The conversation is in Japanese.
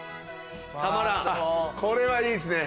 これはいいっすね。